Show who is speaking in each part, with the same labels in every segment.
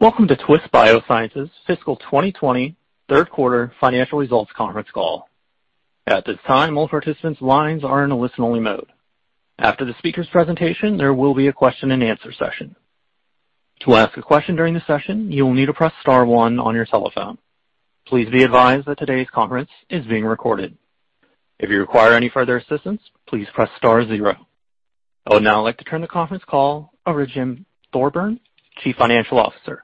Speaker 1: Welcome to Twist Bioscience's fiscal 2020 Third Quarter Financial Results Conference Call. At this time, all participants' line are on listen-only mode. After the speaker's presentation, there will be a question-and-answer session. To ask a question during the session, you need to press star one on your telephone. Please be advised that this conference is being recorded. If you require any further assistance, please press star zero. I would now like to turn the conference call over to Jim Thorburn, Chief Financial Officer.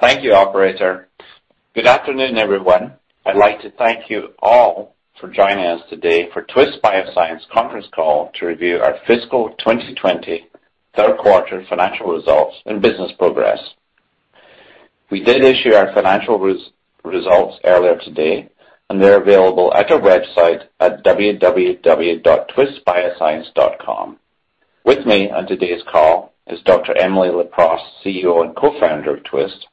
Speaker 2: Thank you, operator. Good afternoon, everyone. I'd like to thank you all for joining us today for Twist Bioscience conference call to review our fiscal 2020 third quarter financial results and business progress. We did issue our financial results earlier today, and they're available at our website at www.twistbioscience.com. With me on today's call is Dr. Emily Leproust, CEO and Co-Founder of Twist.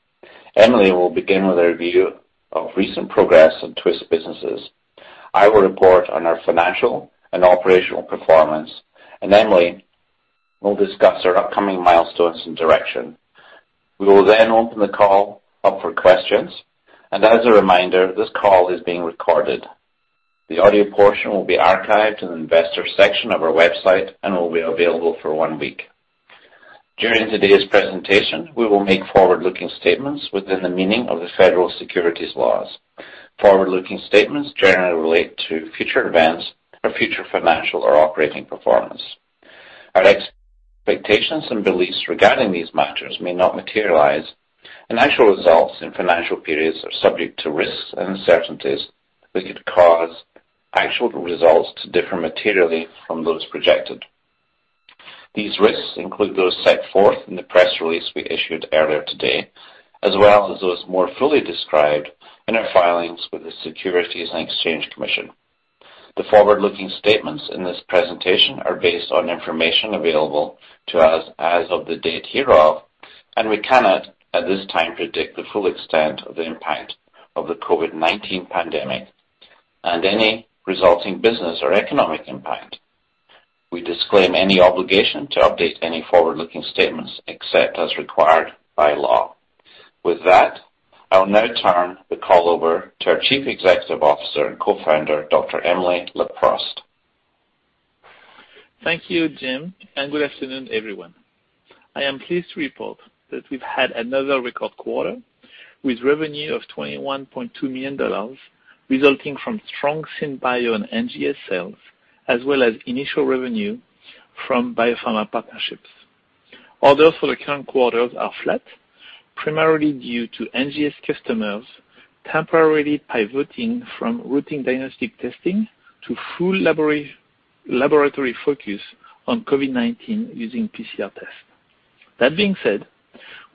Speaker 2: Emily will begin with a review of recent progress on Twist businesses. I will report on our financial and operational performance, and Emily will discuss our upcoming milestones and direction. We will then open the call up for questions, and as a reminder, this call is being recorded. The audio portion will be archived in the investor section of our website and will be available for one week. During today's presentation, we will make forward-looking statements within the meaning of the federal securities laws. Forward-looking statements generally relate to future events or future financial or operating performance. Our expectations and beliefs regarding these matters may not materialize, and actual results and financial periods are subject to risks and uncertainties that could cause actual results to differ materially from those projected. These risks include those set forth in the press release we issued earlier today, as well as those more fully described in our filings with the Securities and Exchange Commission. The forward-looking statements in this presentation are based on information available to us as of the date hereof, and we cannot, at this time, predict the full extent of the impact of the COVID-19 pandemic and any resulting business or economic impact. We disclaim any obligation to update any forward-looking statements except as required by law. With that, I will now turn the call over to our Chief Executive Officer and Co-Founder, Dr. Emily Leproust.
Speaker 3: Thank you, Jim, and good afternoon, everyone. I am pleased to report that we've had another record quarter with revenue of $21.2 million, resulting from strong SynBio and NGS sales, as well as initial revenue from biopharma partnerships. Orders for the current quarter are flat, primarily due to NGS customers temporarily pivoting from routine diagnostic testing to full laboratory focus on COVID-19 using PCR tests. That being said,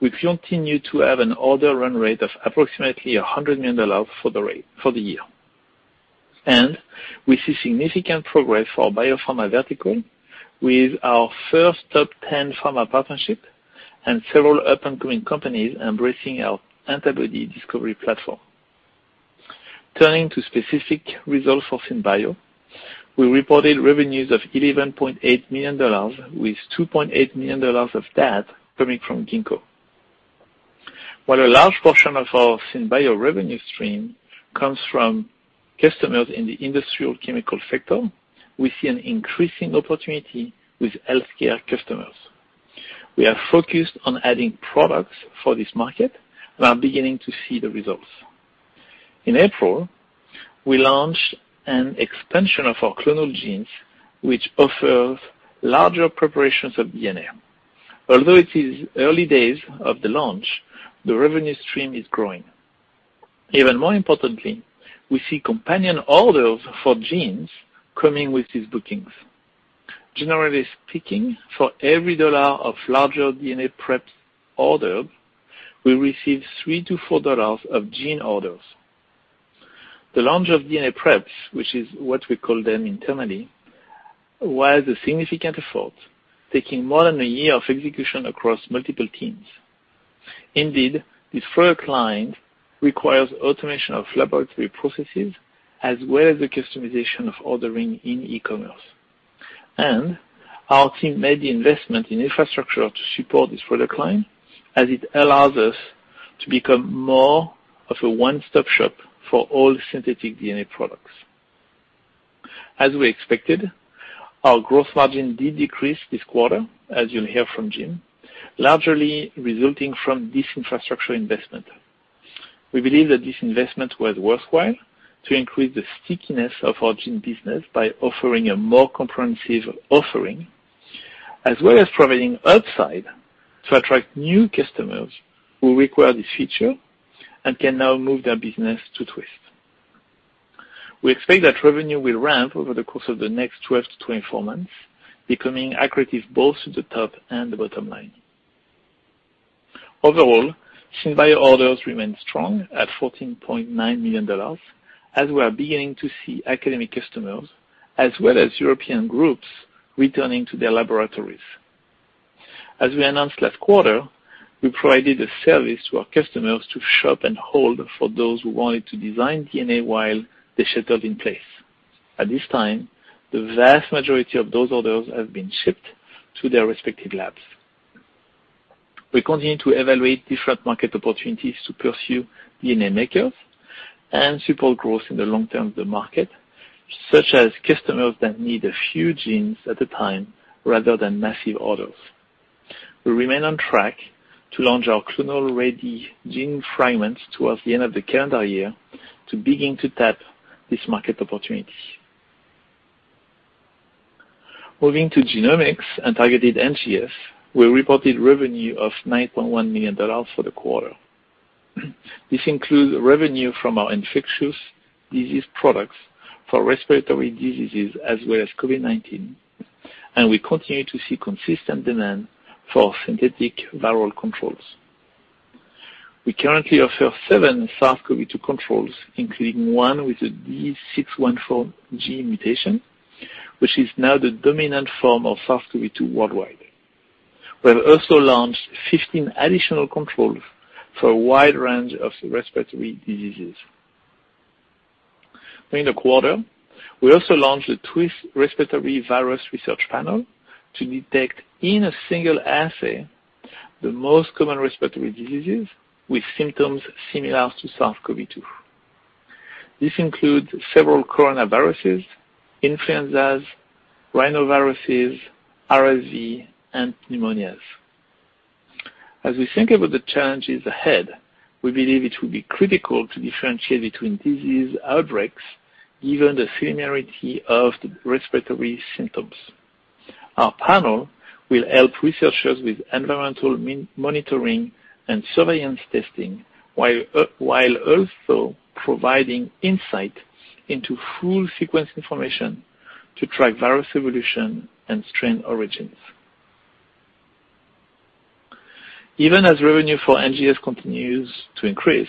Speaker 3: we continue to have an order run rate of approximately $100 million for the year. We see significant progress for our biopharma vertical with our first top 10 pharma partnership and several up-and-coming companies embracing our antibody discovery platform. Turning to specific results for SynBio, we reported revenues of $11.8 million, with $2.8 million of that coming from Ginkgo. While a large portion of our SynBio revenue stream comes from customers in the industrial chemical sector, we see an increasing opportunity with healthcare customers. We are focused on adding products for this market and are beginning to see the results. In April, we launched an expansion of our clonal genes, which offers larger preparations of DNA. Although it is early days of the launch, the revenue stream is growing. Even more importantly, we see companion orders for genes coming with these bookings. Generally speaking, for every dollar of larger DNA prep ordered, we receive $3-$4 of gene orders. The launch of DNA preps, which is what we call them internally, was a significant effort, taking more than a year of execution across multiple teams. Indeed, this product line requires automation of laboratory processes as well as the customization of ordering in e-commerce. Our team made the investment in infrastructure to support this product line, as it allows us to become more of a one-stop shop for all synthetic DNA products. As we expected, our gross margin did decrease this quarter, as you'll hear from Jim, largely resulting from this infrastructure investment. We believe that this investment was worthwhile to increase the stickiness of our gene business by offering a more comprehensive offering, as well as providing upside to attract new customers who require this feature and can now move their business to Twist. We expect that revenue will ramp over the course of the next 12-24 months, becoming accretive both to the top and the bottom line. Overall, SynBio orders remain strong at $14.9 million, as we are beginning to see academic customers as well as European groups returning to their laboratories. As we announced last quarter, we provided a service to our customers to shop and hold for those who wanted to design DNA while they sheltered in place. At this time, the vast majority of those orders have been shipped to their respective labs. We continue to evaluate different market opportunities to pursue DNA makers and support growth in the long-term of the market, such as customers that need a few genes at a time rather than massive orders. We remain on track to launch our Clonal-Ready Gene Fragments towards the end of the calendar year to begin to tap this market opportunity. Moving to genomics and targeted NGS, we reported revenue of $9.1 million for the quarter. This includes revenue from our infectious disease products for respiratory diseases as well as COVID-19, and we continue to see consistent demand for synthetic viral controls. We currently offer seven SARS-CoV-2 controls, including one with a D614G mutation, which is now the dominant form of SARS-CoV-2 worldwide. We have also launched 15 additional controls for a wide range of respiratory diseases. During the quarter, we also launched the Twist Respiratory Virus Research Panel to detect, in a single assay, the most common respiratory diseases with symptoms similar to SARS-CoV-2. This includes several coronaviruses, influenzas, rhinoviruses, RSV, and pneumonias. As we think about the challenges ahead, we believe it will be critical to differentiate between disease outbreaks, given the similarity of the respiratory symptoms. Our panel will help researchers with environmental monitoring and surveillance testing, while also providing insight into full sequence information to track virus evolution and strain origins. Even as revenue for NGS continues to increase,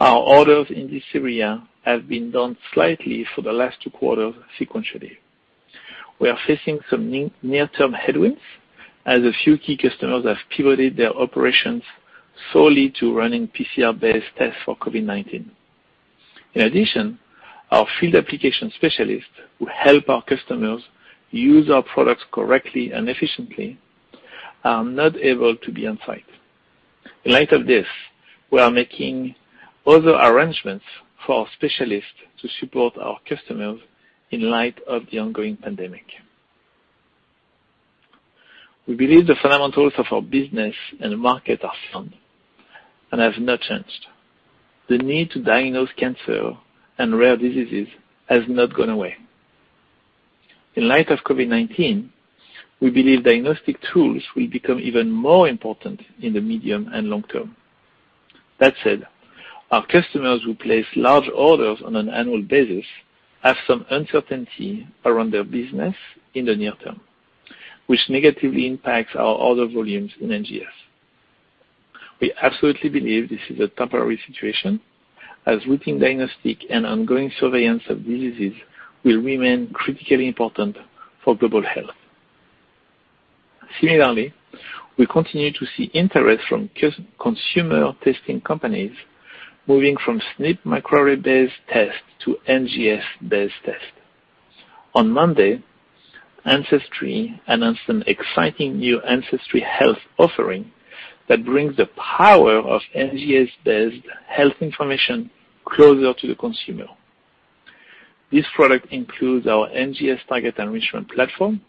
Speaker 3: our orders in this area have been down slightly for the last two quarters sequentially. We are facing some near-term headwinds, as a few key customers have pivoted their operations solely to running PCR-based tests for COVID-19. In addition, our field application specialists who help our customers use our products correctly and efficiently are not able to be on-site. In light of this, we are making other arrangements for our specialists to support our customers in light of the ongoing pandemic. We believe the fundamentals of our business and the market are sound and have not changed. The need to diagnose cancer and rare diseases has not gone away. In light of COVID-19, we believe diagnostic tools will become even more important in the medium and long term. That said, our customers who place large orders on an annual basis have some uncertainty around their business in the near term, which negatively impacts our order volumes in NGS. We absolutely believe this is a temporary situation, as routine diagnostic and ongoing surveillance of diseases will remain critically important for global health. Similarly, we continue to see interest from consumer testing companies moving from SNP microarray-based tests to NGS-based tests. On Monday, Ancestry announced an exciting new AncestryHealth offering that brings the power of NGS-based health information closer to the consumer. This product includes our NGS target enrichment platform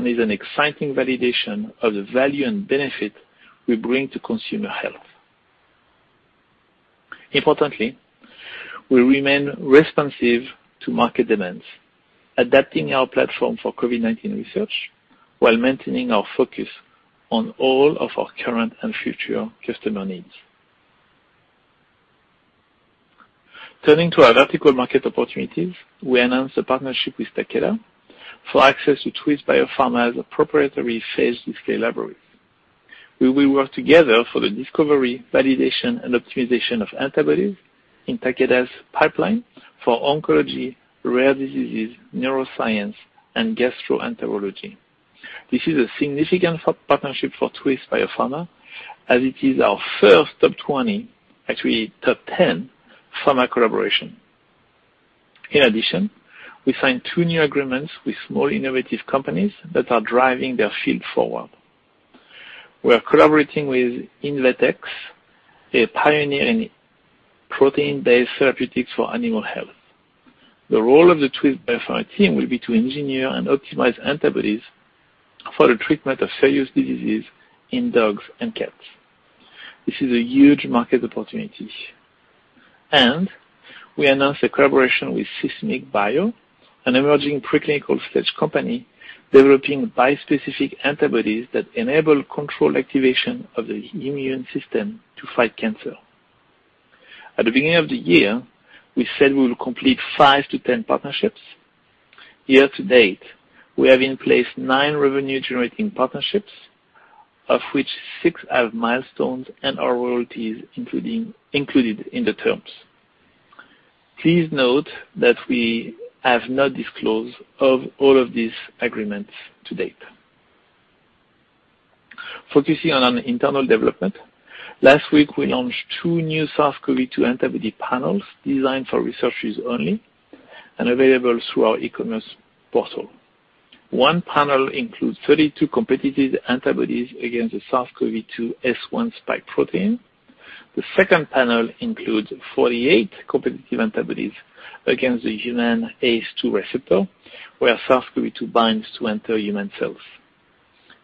Speaker 3: and is an exciting validation of the value and benefit we bring to consumer health. Importantly, we remain responsive to market demands, adapting our platform for COVID-19 research while maintaining our focus on all of our current and future customer needs. Turning to our vertical market opportunities, we announced a partnership with Takeda for access to Twist Biopharma's proprietary phage display library. We will work together for the discovery, validation, and optimization of antibodies in Takeda's pipeline for oncology, rare diseases, neuroscience, and gastroenterology. This is a significant partnership for Twist Biopharma, as it is our first top 10 pharma collaboration. We signed two new agreements with small, innovative companies that are driving their field forward. We are collaborating with Invetx, a pioneer in protein-based therapeutics for animal health. The role of the Twist Biopharma team will be to engineer and optimize antibodies for the treatment of serious diseases in dogs and cats. This is a huge market opportunity. We announced a collaboration with Seismic Bio, an emerging preclinical-stage company developing bispecific antibodies that enable controlled activation of the immune system to fight cancer. At the beginning of the year, we said we will complete 5-10 partnerships. Year-to-date, we have in place nine revenue-generating partnerships, of which six have milestones and have royalties included in the terms. Please note that we have not disclosed all of these agreements to date. Focusing on an internal development, last week, we launched two new SARS-CoV-2 antibody panels designed for researchers only and available through our e-commerce portal. One panel includes 32 competitive antibodies against the SARS-CoV-2 S1 spike protein. The second panel includes 48 competitive antibodies against the human ACE2 receptor, where SARS-CoV-2 binds to enter human cells.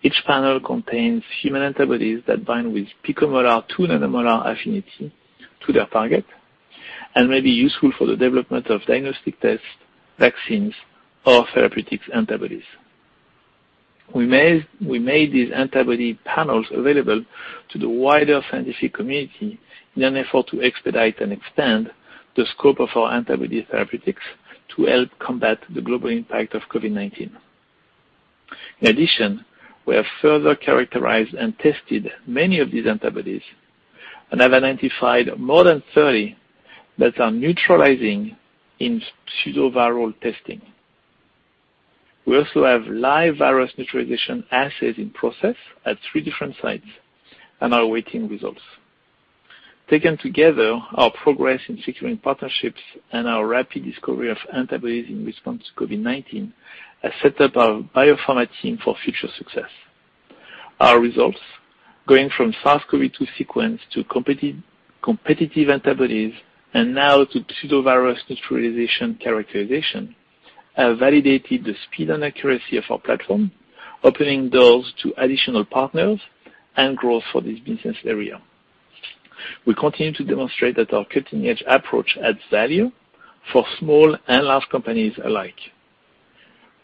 Speaker 3: Each panel contains human antibodies that bind with picomolar to nanomolar affinity to their target and may be useful for the development of diagnostic tests, vaccines, or therapeutic antibodies. We made these antibody panels available to the wider scientific community in an effort to expedite and expand the scope of our antibody therapeutics to help combat the global impact of COVID-19. In addition, we have further characterized and tested many of these antibodies and have identified more than 30 that are neutralizing in pseudoviral testing. We also have live virus neutralization assays in process at three different sites and are awaiting results. Taken together, our progress in securing partnerships and our rapid discovery of antibodies in response to COVID-19 has set up our biopharma team for future success. Our results, going from SARS-CoV-2 sequence to competitive antibodies, and now to pseudovirus neutralization characterization, have validated the speed and accuracy of our platform, opening doors to additional partners and growth for this business area. We continue to demonstrate that our cutting-edge approach adds value for small and large companies alike.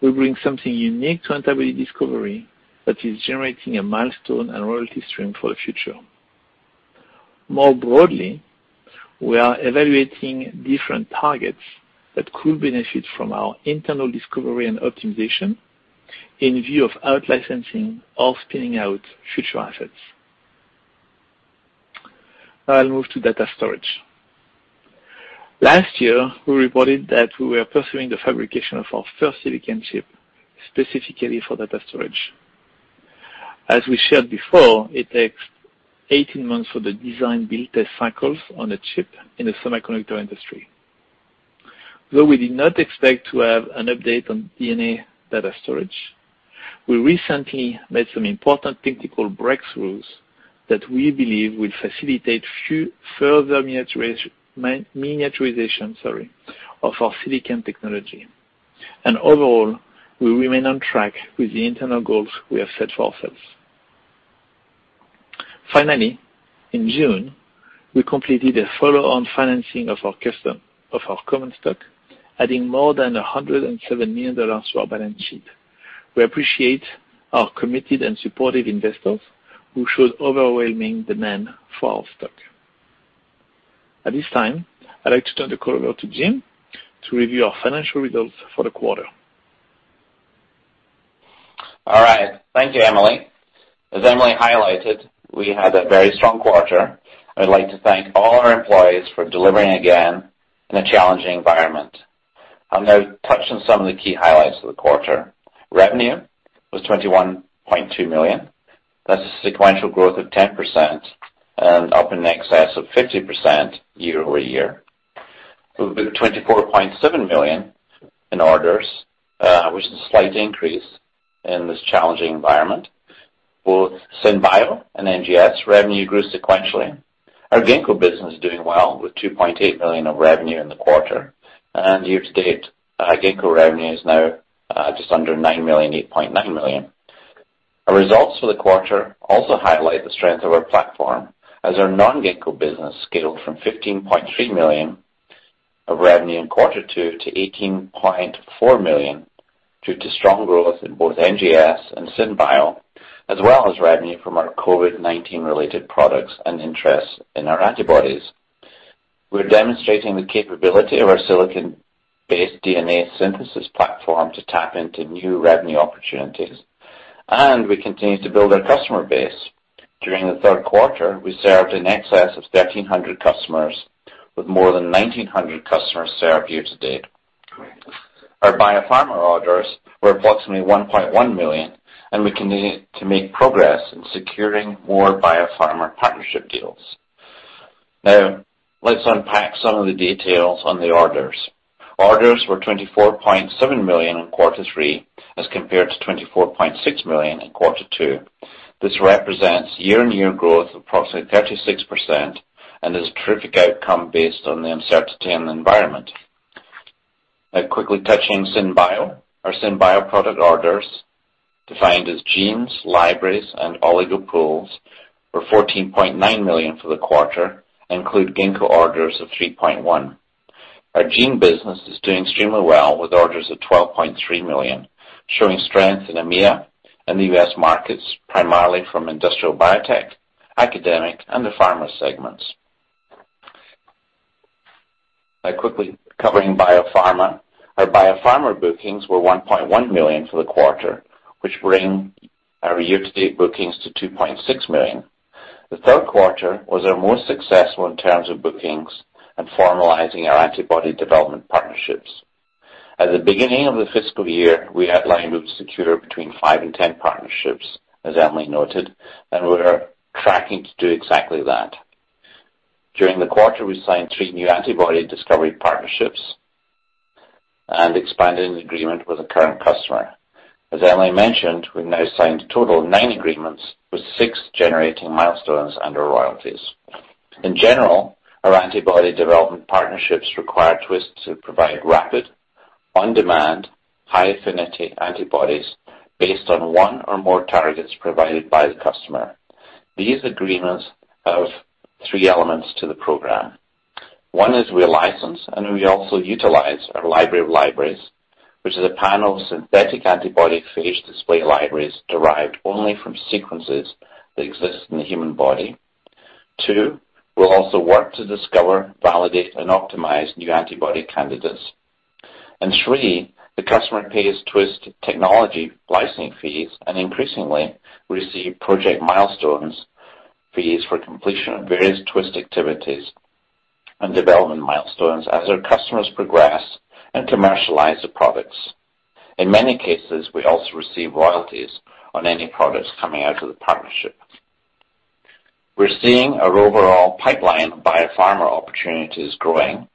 Speaker 3: We bring something unique to antibody discovery that is generating a milestone and royalty stream for the future. More broadly, we are evaluating different targets that could benefit from our internal discovery and optimization in view of outlicensing or spinning out future assets. I'll move to data storage. Last year, we reported that we were pursuing the fabrication of our first silicon chip, specifically for data storage. As we shared before, it takes 18 months for the design build test cycles on a chip in the semiconductor industry. Though we did not expect to have an update on DNA data storage, we recently made some important technical breakthroughs that we believe will facilitate further miniaturization of our silicon technology. Overall, we remain on track with the internal goals we have set for ourselves. Finally, in June, we completed a follow-on financing of our common stock, adding more than $107 million to our balance sheet. We appreciate our committed and supportive investors who showed overwhelming demand for our stock. At this time, I'd like to turn the call over to Jim to review our financial results for the quarter.
Speaker 2: All right. Thank you, Emily. As Emily highlighted, we had a very strong quarter. I'd like to thank all our employees for delivering again in a challenging environment. I'll now touch on some of the key highlights of the quarter. Revenue was $21.2 million. That's a sequential growth of 10% and up in excess of 50% year-over-year. We've got $24.7 million in orders, which is a slight increase in this challenging environment. Both SynBio and NGS revenue grew sequentially. Our Ginkgo business is doing well, with $2.8 million of revenue in the quarter. Year-to-date, Ginkgo revenue is now just under $9 million, $8.9 million. Our results for the quarter also highlight the strength of our platform as our non-Ginkgo business scaled from $15.3 million of revenue in quarter two to $18.4 million, due to strong growth in both NGS and SynBio, as well as revenue from our COVID-19 related products and interest in our antibodies. We're demonstrating the capability of our silicon-based DNA synthesis platform to tap into new revenue opportunities, and we continue to build our customer base. During the third quarter, we served in excess of 1,300 customers, with more than 1,900 customers served year-to-date. Our Biopharma orders were approximately $1.1 million, and we continue to make progress in securing more Biopharma partnership deals. Now, let's unpack some of the details on the orders. Orders were $24.7 million in quarter three, as compared to $24.6 million in quarter two. This represents year-on-year growth of approximately 36% and is a terrific outcome based on the uncertainty in the environment. Now quickly touching SynBio, our SynBio product orders, defined as genes, libraries, and oligo pools, were $14.9 million for the quarter and include Ginkgo orders of $3.1. Our gene business is doing extremely well, with orders of $12.3 million, showing strength in EMEA and the U.S. markets, primarily from industrial biotech, academic, and the pharma segments. Now quickly covering biopharma. Our biopharma bookings were $1.1 million for the quarter, which bring our year-to-date bookings to $2.6 million. The third quarter was our most successful in terms of bookings and formalizing our antibody development partnerships. At the beginning of the fiscal year, we had lined up to secure between five and 10 partnerships, as Emily noted, and we are tracking to do exactly that. During the quarter, we signed three new antibody discovery partnerships and expanded an agreement with a current customer. As Emily mentioned, we've now signed a total of nine agreements, with six generating milestones and/or royalties. In general, our antibody development partnerships require Twist to provide rapid, on-demand, high-affinity antibodies based on one or more targets provided by the customer. These agreements have three elements to the program. One is we license and we also utilize our library of libraries, which is a panel of synthetic antibody phage display libraries derived only from sequences that exist in the human body. Two, we'll also work to discover, validate, and optimize new antibody candidates. three, the customer pays Twist technology licensing fees and increasingly receive project milestones fees for completion of various Twist activities and development milestones as our customers progress and commercialize the products. In many cases, we also receive royalties on any products coming out of the partnership. We're seeing our overall pipeline of biopharma opportunities growing,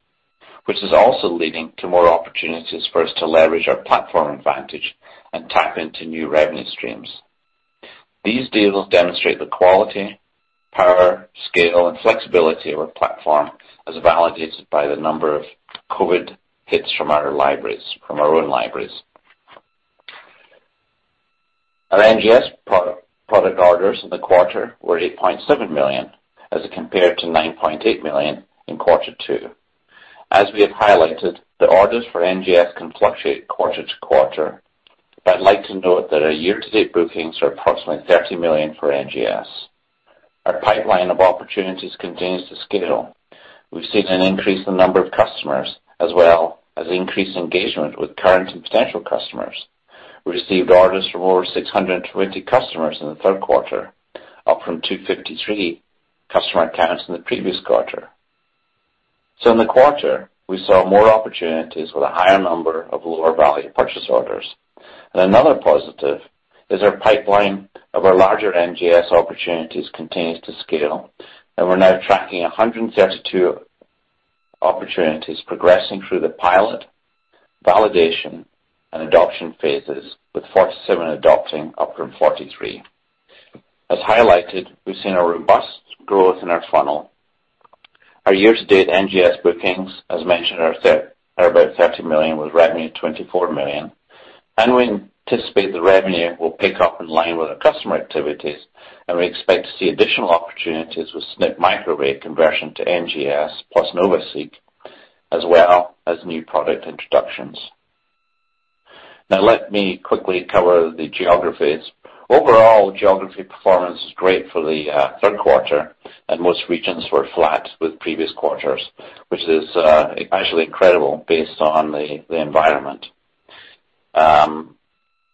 Speaker 2: which is also leading to more opportunities for us to leverage our platform advantage and tap into new revenue streams. These deals demonstrate the quality, power, scale, and flexibility of our platform as validated by the number of COVID hits from our own libraries. Our NGS product orders in the quarter were $8.7 million, as compared to $9.8 million in quarter two. As we have highlighted, the orders for NGS can fluctuate quarter-to-quarter. I'd like to note that our year-to-date bookings are approximately $30 million for NGS. Our pipeline of opportunities continues to scale. We've seen an increase in the number of customers, as well as increased engagement with current and potential customers. We received orders from over 620 customers in the third quarter, up from 253 customer accounts in the previous quarter. In the quarter, we saw more opportunities with a higher number of lower value purchase orders. Another positive is our pipeline of our larger NGS opportunities continues to scale, and we're now tracking 132 opportunities progressing through the pilot, validation, and adoption phases, with 47 adopting up from 43. As highlighted, we've seen a robust growth in our funnel. Our year-to-date NGS bookings, as mentioned, are about $30 million, with revenue of $24 million, and we anticipate the revenue will pick up in line with our customer activities, and we expect to see additional opportunities with SNP microarray conversion to NGS plus NovaSeq, as well as new product introductions. Now let me quickly cover the geographies. Overall, geography performance is great for the third quarter, and most regions were flat with previous quarters, which is actually incredible based on the environment.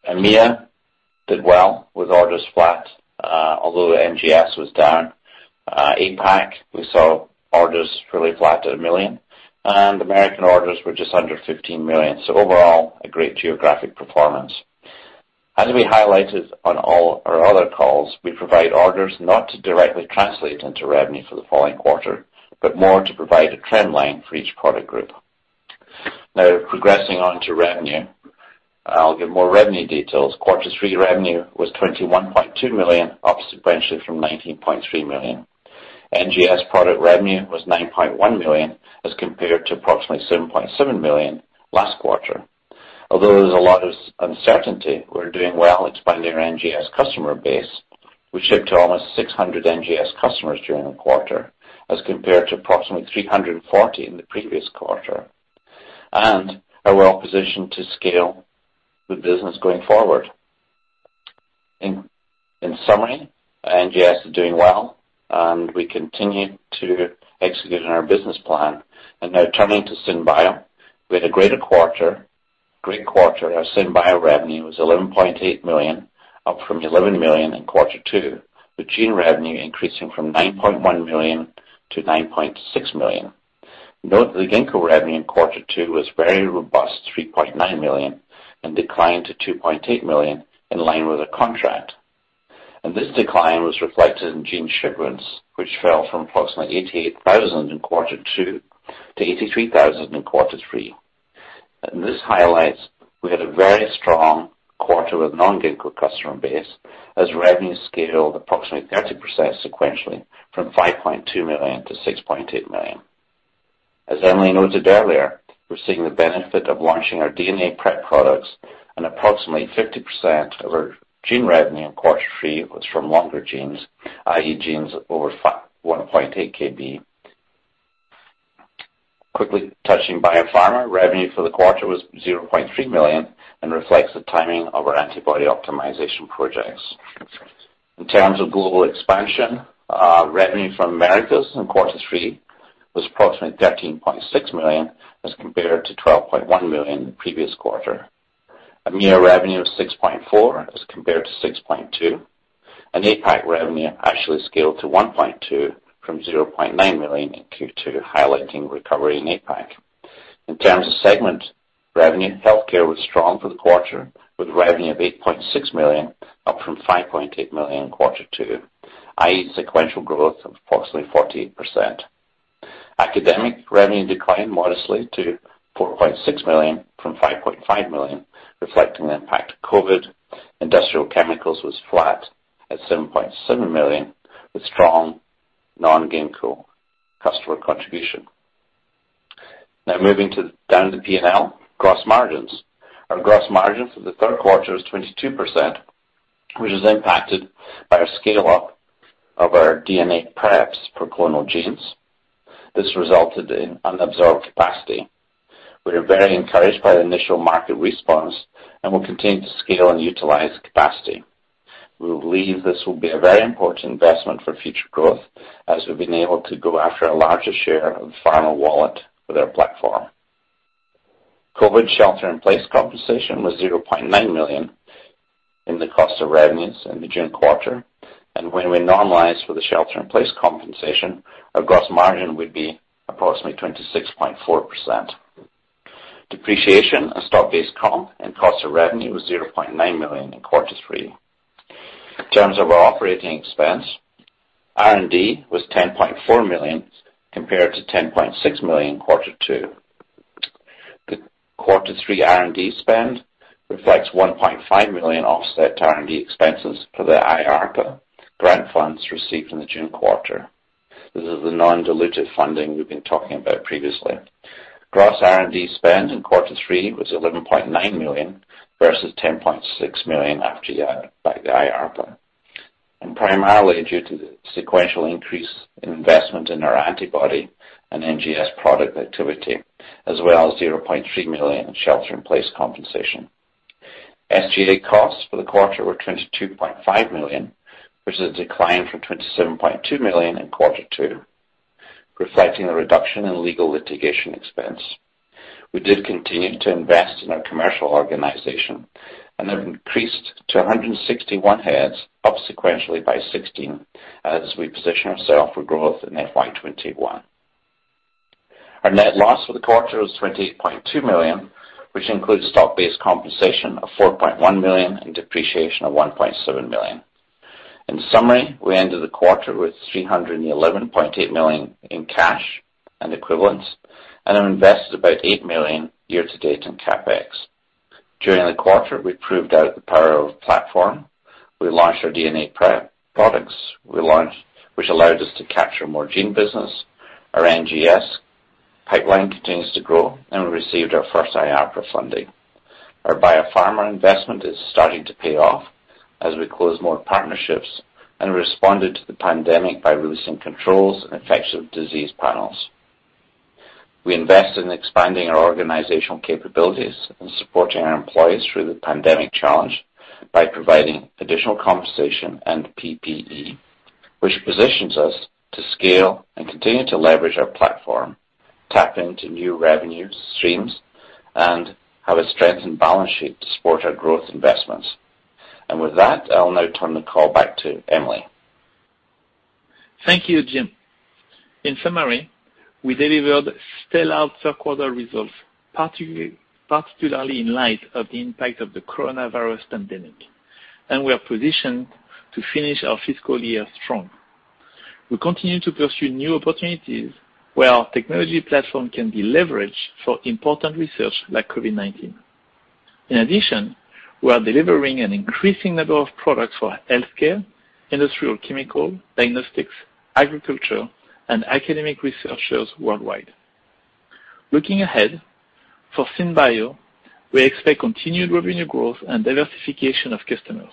Speaker 2: EMEA did well with orders flat, although NGS was down. APAC, we saw orders really flat at $1 million, and American orders were just under $15 million. Overall, a great geographic performance. As we highlighted on all our other calls, we provide orders not to directly translate into revenue for the following quarter, but more to provide a trend line for each product group. Now, progressing on to revenue. I'll give more revenue details. Quarter three revenue was $21.2 million, up sequentially from $19.3 million. NGS product revenue was $9.1 million, as compared to approximately $7.7 million last quarter. Although there's a lot of uncertainty, we're doing well expanding our NGS customer base. We shipped to almost 600 NGS customers during the quarter, as compared to approximately 340 in the previous quarter and are well positioned to scale the business going forward. In summary, NGS is doing well, and we continue to execute on our business plan. Now turning to SynBio. We had a great quarter. Our SynBio revenue was $11.8 million, up from $11 million in quarter two, with gene revenue increasing from $9.1 million to $9.6 million. Note that the Ginkgo revenue in quarter two was a very robust $3.9 million and declined to $2.8 million in line with the contract. This decline was reflected in gene shipments, which fell from approximately 88,000 in quarter two to 83,000 in quarter three. This highlights we had a very strong quarter with non-Ginkgo customer base as revenue scaled approximately 30% sequentially from $5.2 million to $6.8 million. As Emily noted earlier, we're seeing the benefit of launching our DNA prep products and approximately 50% of our gene revenue in quarter three was from longer genes, i.e. genes over 1.8 kb. Quickly touching biopharma, revenue for the quarter was $0.3 million and reflects the timing of our antibody optimization projects. In terms of global expansion, revenue from Americas in quarter three was approximately $13.6 million as compared to $12.1 million the previous quarter. EMEA revenue of $6.4 as compared to $6.2. APAC revenue actually scaled to $1.2 from $0.9 million in Q2, highlighting recovery in APAC. In terms of segment revenue, healthcare was strong for the quarter, with revenue of $8.6 million, up from $5.8 million in quarter two, i.e., sequential growth of approximately 48%. Academic revenue declined modestly to $4.6 million from $5.5 million, reflecting the impact of COVID. Industrial chemicals was flat at $7.7 million, with strong non-Ginkgo customer contribution. Now, moving down to P&L. Gross margins. Our gross margin for the third quarter was 22%, which was impacted by our scale-up of our DNA preps for clonal genes. This resulted in unabsorbed capacity. We are very encouraged by the initial market response and will continue to scale and utilize the capacity. We believe this will be a very important investment for future growth, as we've been able to go after a larger share of the pharma wallet with our platform. COVID shelter-in-place compensation was $0.9 million in the cost of revenues in the June quarter. When we normalize for the shelter-in-place compensation, our gross margin would be approximately 26.4%. Depreciation and stock-based comp and cost of revenue was $0.9 million in quarter three. In terms of our operating expense, R&D was $10.4 million, compared to $10.6 million in quarter two. The quarter three R&D spend reflects $1.5 million offset to R&D expenses for the IARPA grant funds received in the June quarter. This is the non-dilutive funding we've been talking about previously. Gross R&D spend in quarter three was $11.9 million, versus $10.6 million after the IARPA, and primarily due to the sequential increase in investment in our antibody and NGS product activity, as well as $0.3 million in shelter-in-place compensation. SG&A costs for the quarter were $22.5 million, which is a decline from $27.2 million in quarter two, reflecting the reduction in legal litigation expense. We did continue to invest in our commercial organization, and they've increased to 161 heads, up sequentially by 16, as we position ourselves for growth in FY 2021. Our net loss for the quarter was $28.2 million, which includes stock-based compensation of $4.1 million and depreciation of $1.7 million. In summary, we ended the quarter with $311.8 million in cash and equivalents and have invested about eight million year-to-date in CapEx. During the quarter, we proved out the power of the platform. We launched our DNA prep products, which allowed us to capture more gene business. Our NGS pipeline continues to grow, and we received our first IARPA funding. Our biopharma investment is starting to pay off as we close more partnerships and responded to the pandemic by releasing controls and infectious disease panels. We invested in expanding our organizational capabilities and supporting our employees through the pandemic challenge by providing additional compensation and PPE, which positions us to scale and continue to leverage our platform, tap into new revenue streams, and have a strengthened balance sheet to support our growth investments. With that, I'll now turn the call back to Emily.
Speaker 3: Thank you, Jim. In summary, we delivered stellar third quarter results, particularly in light of the impact of the coronavirus pandemic. We are positioned to finish our fiscal year strong. We continue to pursue new opportunities where our technology platform can be leveraged for important research, like COVID-19. In addition, we are delivering an increasing number of products for healthcare, industrial chemical, diagnostics, agriculture, and academic researchers worldwide. Looking ahead, for SynBio, we expect continued revenue growth and diversification of customers.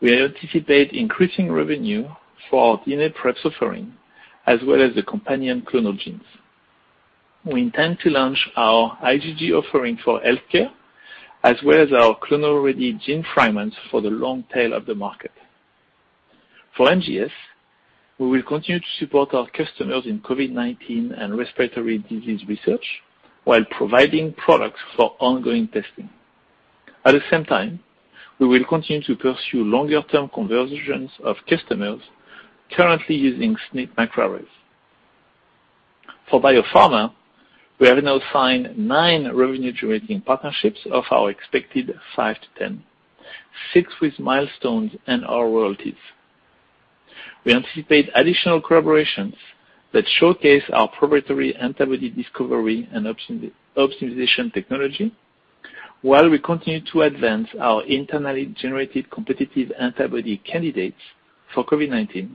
Speaker 3: We anticipate increasing revenue for our DNA prep offering, as well as the companion clonal genes. We intend to launch our IgG offering for healthcare, as well as our clonal-ready gene fragments for the long tail of the market. For NGS, we will continue to support our customers in COVID-19 and respiratory disease research while providing products for ongoing testing. At the same time, we will continue to pursue longer-term conversions of customers currently using SNP microarrays. For biopharma, we have now signed nine revenue-generating partnerships of our expected 5-10, six with milestones and/or royalties. We anticipate additional collaborations that showcase our proprietary antibody discovery and optimization technology while we continue to advance our internally-generated competitive antibody candidates for COVID-19,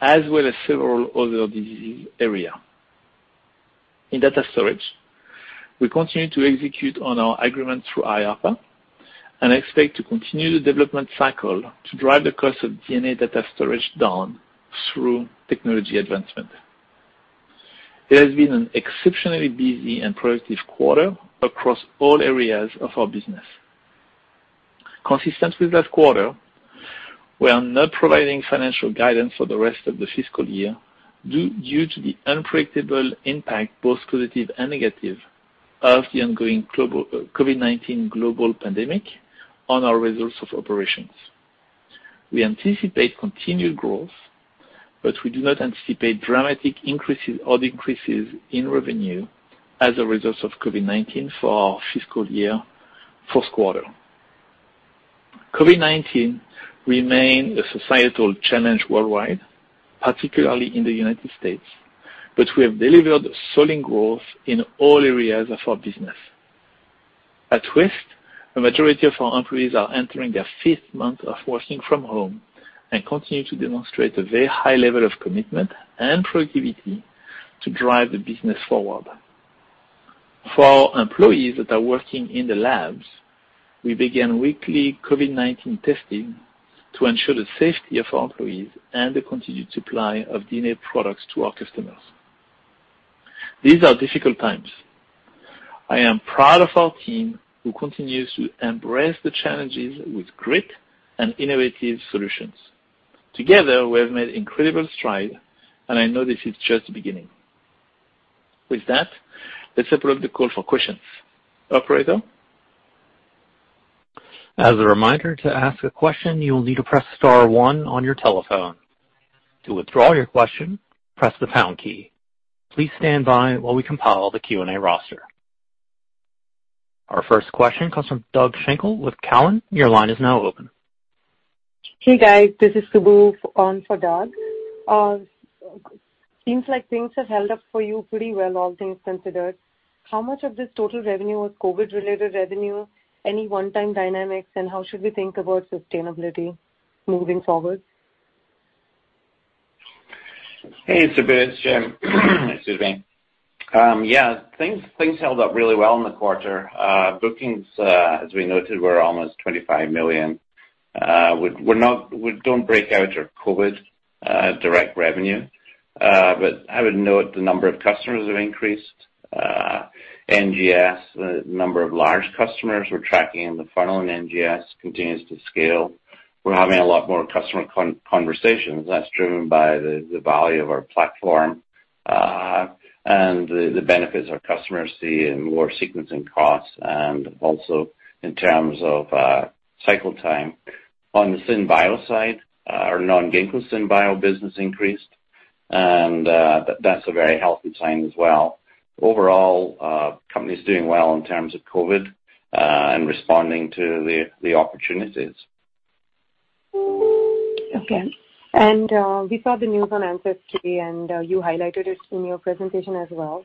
Speaker 3: as well as several other disease area. In data storage, we continue to execute on our agreement through IARPA and expect to continue the development cycle to drive the cost of DNA data storage down through technology advancement. It has been an exceptionally busy and productive quarter across all areas of our business. Consistent with last quarter, we are not providing financial guidance for the rest of the fiscal year due to the unpredictable impact, both positive and negative, of the ongoing COVID-19 global pandemic on our results of operations. We anticipate continued growth, but we do not anticipate dramatic increases or decreases in revenue as a result of COVID-19 for our fiscal year first quarter. COVID-19 remains a societal challenge worldwide, particularly in the United States, but we have delivered solid growth in all areas of our business. At Twist, the majority of our employees are entering their fifth month of working from home and continue to demonstrate a very high level of commitment and productivity to drive the business forward. For our employees that are working in the labs, we began weekly COVID-19 testing to ensure the safety of our employees and the continued supply of DNA products to our customers. These are difficult times. I am proud of our team, who continues to embrace the challenges with grit and innovative solutions. Together, we have made incredible strides, and I know this is just the beginning. With that, let's open up the call for questions. Operator?
Speaker 1: As a reminder, to ask a question, you will need to press star one on your telephone. To withdraw your question, press the pound key. Please stand by while we compile the Q&A roster. Our first question comes from Doug Schenkel with Cowen. Your line is now open.
Speaker 4: Hey, guys, this is Subbu on for Doug. Seems like things have held up for you pretty well, all things considered. How much of this total revenue was COVID-related revenue, any one-time dynamics, and how should we think about sustainability moving forward?
Speaker 2: Hey, Subbu, it's Jim. Excuse me. Yeah, things held up really well in the quarter. Bookings, as we noted, were almost $25 million. We don't break out our COVID direct revenue. I would note the number of customers have increased. NGS, the number of large customers we're tracking in the funnel in NGS continues to scale. We're having a lot more customer conversations. That's driven by the value of our platform, and the benefits our customers see in lower sequencing costs and also in terms of cycle time. On the SynBio side, our non-Ginkgo SynBio business increased, and that's a very healthy sign as well. Overall, company's doing well in terms of COVID, and responding to the opportunities.
Speaker 4: Okay. We saw the news on Ancestry, and you highlighted it in your presentation as well.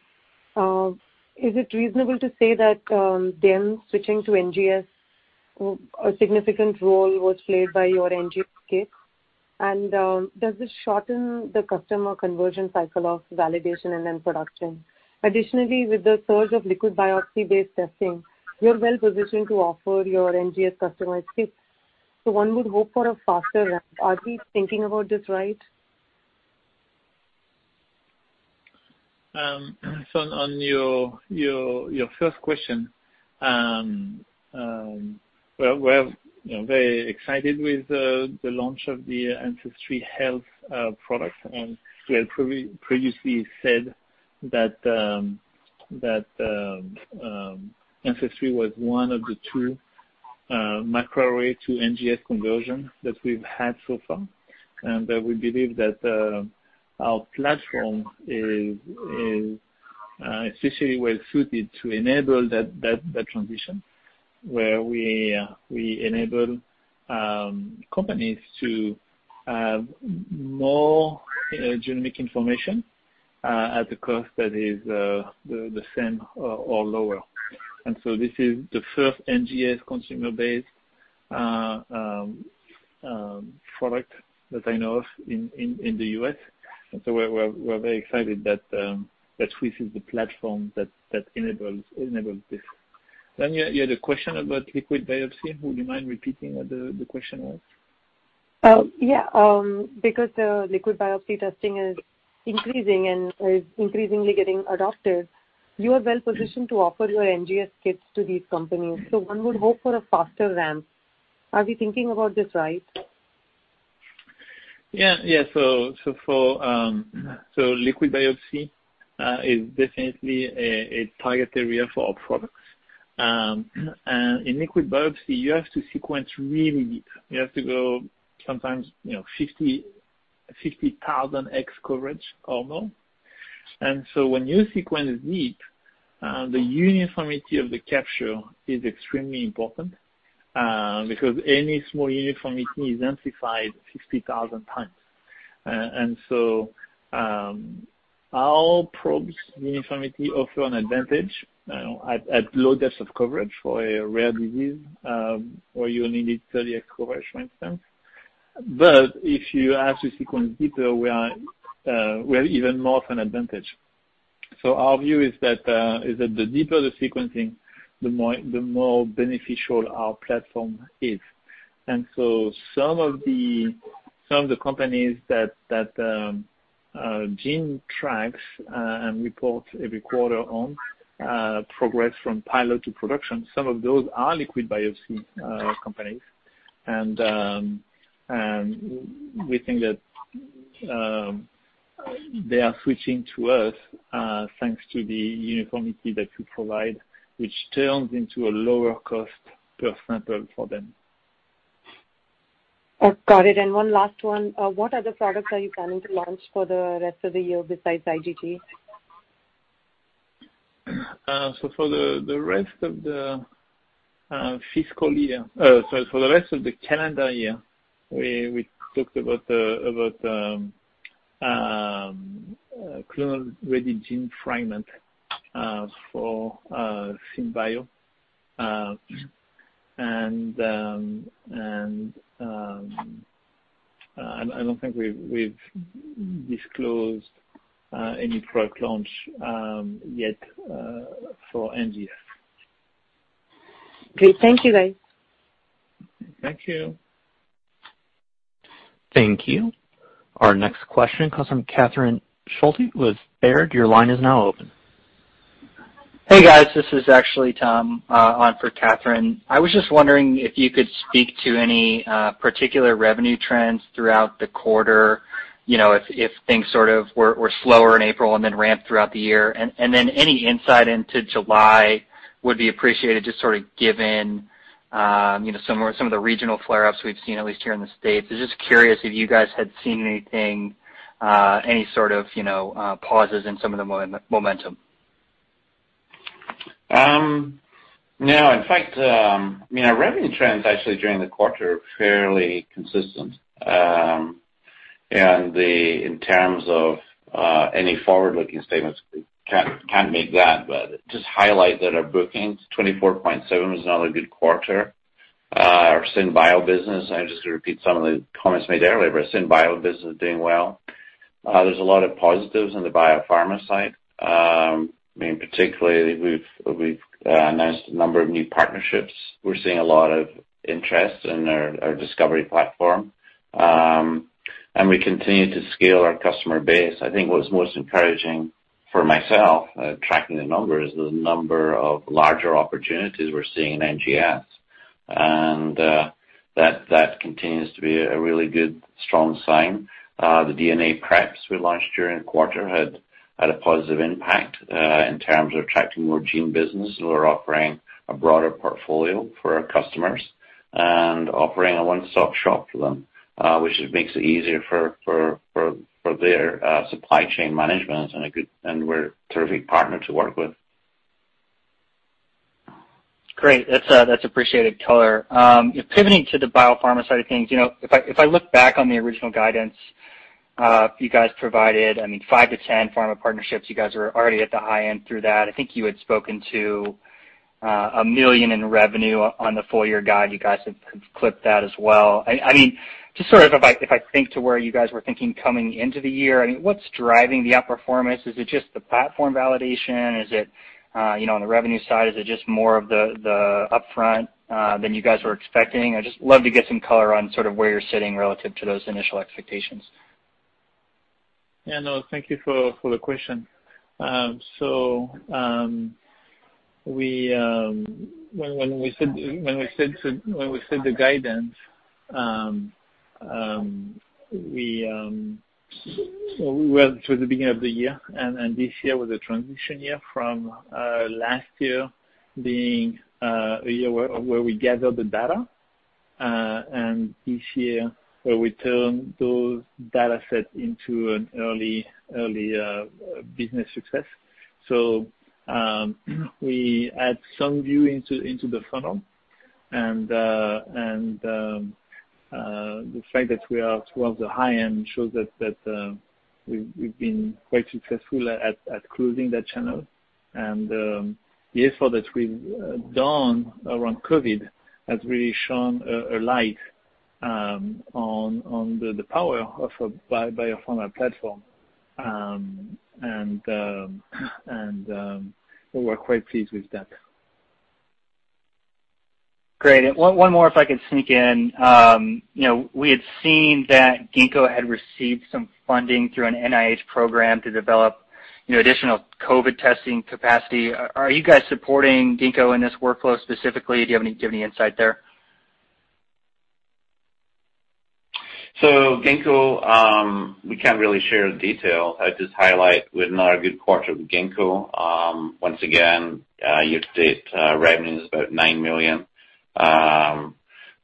Speaker 4: Is it reasonable to say that them switching to NGS, a significant role was played by your NGS kit? Does this shorten the customer conversion cycle of validation and then production? Additionally, with the surge of liquid biopsy-based testing, you're well-positioned to offer your NGS customized kits. One would hope for a faster ramp. Are we thinking about this right?
Speaker 3: On your first question, we're very excited with the launch of the AncestryHealth product. We have previously said that Ancestry was one of the two microarray to NGS conversions that we've had so far, and that we believe that our platform is especially well-suited to enable that transition, where we enable companies to have more genomic information at the cost that is the same or lower. This is the first NGS consumer-based product that I know of in the U.S. We're very excited that Twist is the platform that enables this. You had a question about liquid biopsy. Would you mind repeating what the question was?
Speaker 4: Yeah. Because liquid biopsy testing is increasing and is increasingly getting adopted, you are well-positioned to offer your NGS kits to these companies. One would hope for a faster ramp. Are we thinking about this right?
Speaker 3: Yeah. liquid biopsy is definitely a target area for our products. in liquid biopsy, you have to sequence really deep. You have to go sometimes 50,000 X coverage or more. when you sequence deep, the uniformity of the capture is extremely important, because any small uniformity is amplified 50,000 times. our probes uniformity offer an advantage at low depths of coverage for a rare disease, where you only need 30 X coverage, for instance. if you have to sequence deeper, we have even more of an advantage. our view is that the deeper the sequencing, the more beneficial our platform is. some of the companies that Gene tracks and reports every quarter on progress from pilot to production, some of those are liquid biopsy companies. we think that they are switching to us thanks to the uniformity that we provide, which turns into a lower cost per sample for them.
Speaker 4: Got it. One last one. What other products are you planning to launch for the rest of the year besides IgG?
Speaker 3: For the rest of the calendar year, we talked about clonal-ready gene fragment for SynBio. I don't think we've disclosed any product launch yet for NGS.
Speaker 4: Great. Thank you, guys.
Speaker 3: Thank you.
Speaker 1: Thank you. Our next question comes from Catherine Schulte with Baird. Your line is now open.
Speaker 5: Hey, guys. This is actually Tom on for Catherine. I was just wondering if you could speak to any particular revenue trends throughout the quarter, if things sort of were slower in April and then ramped throughout the year. Any insight into July would be appreciated, just sort of given some of the regional flare-ups we've seen, at least here in the States. Just curious if you guys had seen anything, any sort of pauses in some of the momentum.
Speaker 2: No, in fact, our revenue trends actually during the quarter are fairly consistent. In terms of any forward-looking statements, we can't make that, but just highlight that our bookings, $24.7 million was another good quarter. Our SynBio business, I just repeat some of the comments made earlier, but our SynBio business is doing well. There's a lot of positives on the biopharma side. Particularly, we've announced a number of new partnerships. We're seeing a lot of interest in our discovery platform. We continue to scale our customer base. I think what's most encouraging for myself, tracking the numbers, the number of larger opportunities we're seeing in NGS. That continues to be a really good, strong sign. The DNA preps we launched during the quarter had a positive impact in terms of attracting more gene business. We're offering a broader portfolio for our customers and offering a one-stop shop for them, which just makes it easier for their supply chain management, and we're a terrific partner to work with.
Speaker 5: Great. That's appreciated color. Pivoting to the biopharma side of things, if I look back on the original guidance you guys provided, 5-10 pharma partnerships, you guys were already at the high end through that. I think you had spoken to $1 million in revenue on the full-year guide. You guys have clipped that as well. Just sort of if I think to where you guys were thinking coming into the year, what's driving the outperformance? Is it just the platform validation? Is it on the revenue side, is it just more of the upfront than you guys were expecting? I'd just love to get some color on sort of where you're sitting relative to those initial expectations.
Speaker 3: Yeah, no, thank you for the question. When we set the guidance, towards the beginning of the year, and this year was a transition year from last year being a year where we gathered the data, and this year where we turned those data sets into an early business success. We had some view into the funnel, and the fact that we are towards the high end shows that we've been quite successful at closing that channel. The effort that we've done around COVID has really shone a light on the power of a biopharma platform. We're quite pleased with that.
Speaker 5: Great. One more if I could sneak in. We had seen that Ginkgo had received some funding through an NIH program to develop additional COVID testing capacity. Are you guys supporting Ginkgo in this workflow specifically? Do you have any insight there?
Speaker 2: Ginkgo, we can't really share the details. I'd just highlight we had another good quarter with Ginkgo. Once again, year-to-date revenue is about $9 million.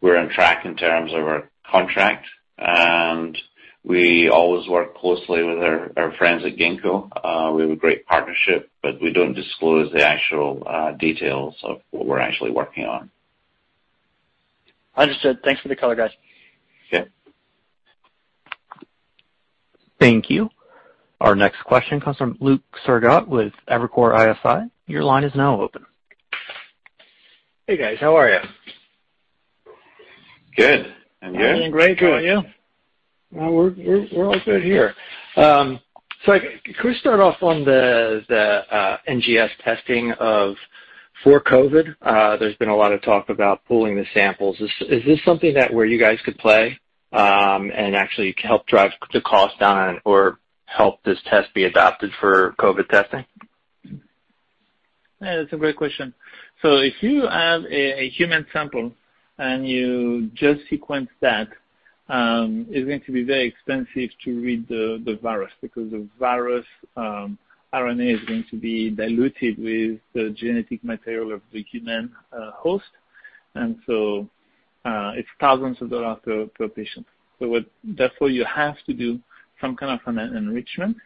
Speaker 2: We're on track in terms of our contract, and we always work closely with our friends at Ginkgo. We have a great partnership, but we don't disclose the actual details of what we're actually working on.
Speaker 5: Understood. Thanks for the color, guys.
Speaker 2: Okay.
Speaker 1: Thank you. Our next question comes from Luke Sergott with Evercore ISI. Your line is now open.
Speaker 6: Hey, guys. How are you?
Speaker 2: Good. You?
Speaker 3: I'm doing great. How are you?
Speaker 6: No, we're all good here. Can we start off on the NGS testing for COVID? There's been a lot of talk about pooling the samples. Is this something that where you guys could play, and actually help drive the cost down or help this test be adopted for COVID testing?
Speaker 3: Yeah, that's a great question. If you have a human sample and you just sequence that, it's going to be very expensive to read the virus, because the virus RNA is going to be diluted with the genetic material of the human host. It's thousands of dollars per patient. Therefore you have to do some kind of an enrichment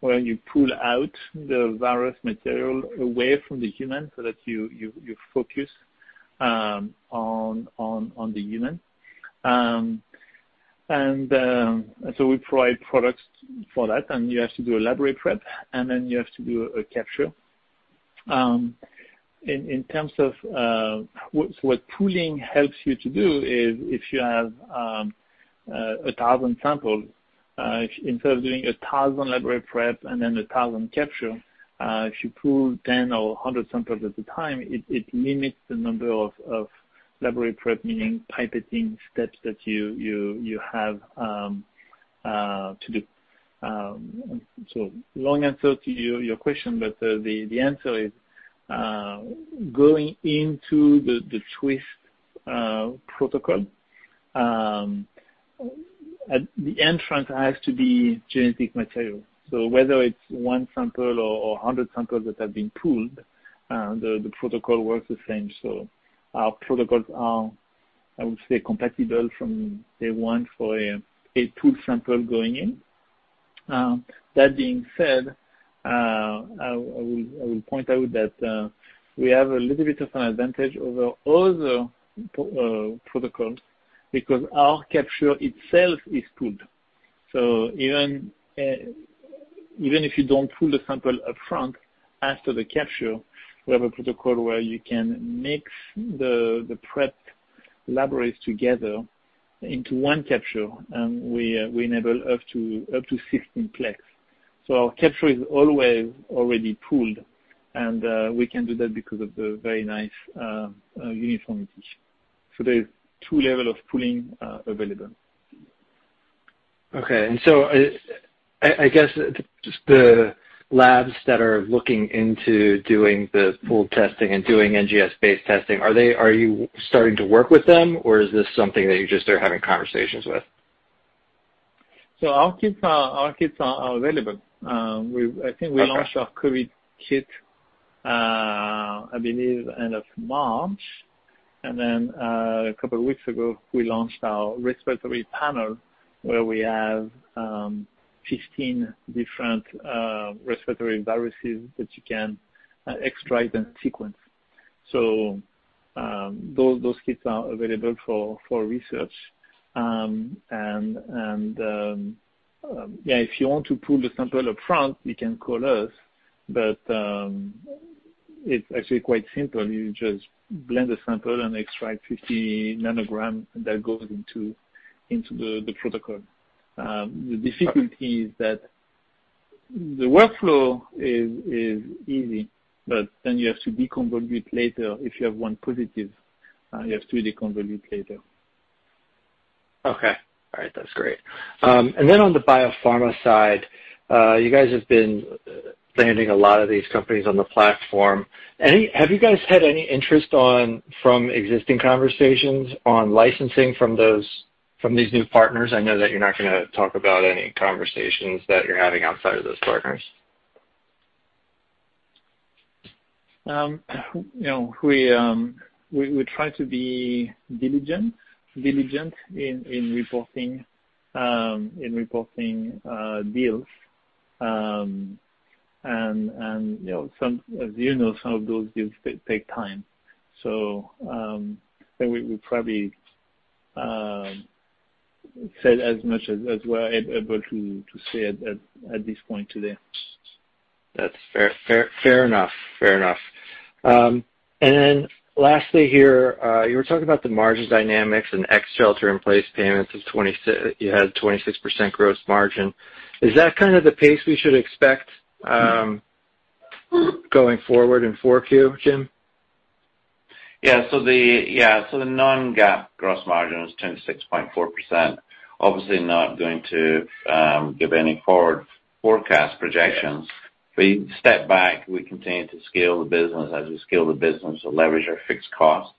Speaker 3: where you pull out the virus material away from the human so that you focus on the human. We provide products for that, and you have to do a library prep, and then you have to do a capture. In terms of what pooling helps you to do is if you have 1,000 samples, instead of doing 1,000 library prep and then 1,000 capture, if you pool 10 or 100 samples at a time, it limits the number of library prep, meaning pipetting steps that you have to do. Long answer to your question, but the answer is, going into the Twist protocol, at the entrance has to be genetic material. Whether it's one sample or 100 samples that have been pooled, the protocol works the same. Our protocols are, I would say, compatible from day one for a pooled sample going in. That being said, I will point out that we have a little bit of an advantage over other protocols because our capture itself is pooled. Even if you don't pool the sample upfront, after the capture, we have a protocol where you can mix the prep libraries together into one capture, and we enable up to 16 plex. Our capture is always already pooled, and we can do that because of the very nice uniformity. There's two level of pooling available.
Speaker 6: Okay. I guess just the labs that are looking into doing the pool testing and doing NGS-based testing, are you starting to work with them, or is this something that you just are having conversations with?
Speaker 3: Our kits are available.
Speaker 6: Okay.
Speaker 3: I think we launched our COVID kit, I believe, end of March. A couple weeks ago, we launched our respiratory panel where we have 15 different respiratory viruses that you can extract and sequence. Those kits are available for research. Yeah, if you want to pool the sample upfront, you can call us. It's actually quite simple. You just blend the sample and extract 50 ng, and that goes into the protocol. The difficulty is that the workflow is easy, but then you have to deconvolute later if you have one positive. You have to deconvolute later.
Speaker 6: Okay. All right. That's great. On the biopharma side, you guys have been landing a lot of these companies on the platform. Have you guys had any interest from existing conversations on licensing from these new partners? I know that you're not going to talk about any conversations that you're having outside of those partners.
Speaker 3: We try to be diligent in reporting deals. as you know, some of those deals take time. I think we probably said as much as we're able to say at this point today.
Speaker 6: That's fair enough. lastly here, you were talking about the margin dynamics and ex-shelter-in-place payments, you had 26% gross margin. Is that kind of the pace we should expect going forward in 4Q, Jim?
Speaker 2: Yeah, the non-GAAP gross margin was 26.4%. Obviously not going to give any forward forecast projections. Step back, we continue to scale the business. As we scale the business, we'll leverage our fixed cost.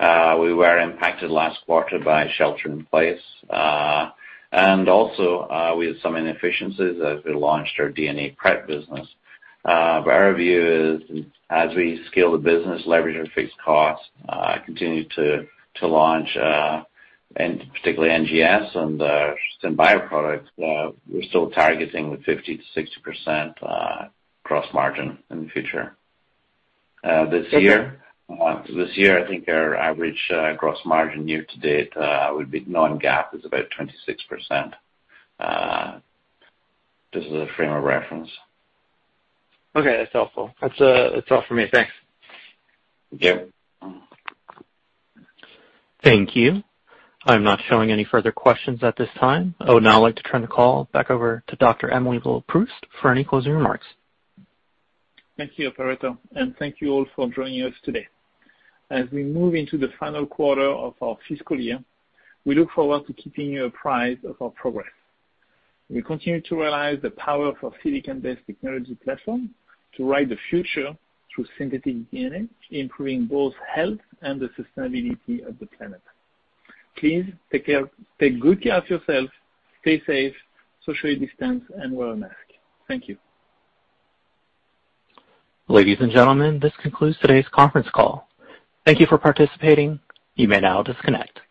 Speaker 2: We were impacted last quarter by shelter in place. Also, we had some inefficiencies as we launched our DNA prep business. Our view is, as we scale the business, leverage our fixed costs, continue to launch, and particularly NGS and SynBio products, we're still targeting the 50%-60% gross margin in the future. This year-
Speaker 6: Okay
Speaker 2: This year, I think our average gross margin year-to-date would be non-GAAP, is about 26%. Just as a frame of reference.
Speaker 6: Okay, that's helpful. That's all for me. Thanks.
Speaker 2: Yeah.
Speaker 1: Thank you. I'm not showing any further questions at this time. I would now like to turn the call back over to Dr. Emily Leproust for any closing remarks.
Speaker 3: Thank you, operator, and thank you all for joining us today. As we move into the final quarter of our fiscal year, we look forward to keeping you apprised of our progress. We continue to realize the power of our silicon-based technology platform to write the future through synthetic DNA, improving both health and the sustainability of the planet. Please take good care of yourself, stay safe, socially distance, and wear a mask. Thank you.
Speaker 1: Ladies and gentlemen, this concludes today's conference call. Thank you for participating. You may now disconnect.